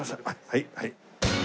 はいはい。